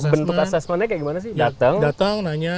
bentuk assessmentnya kayak gimana sih datang nanya